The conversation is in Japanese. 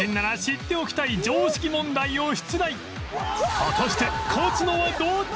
果たして勝つのはどっち？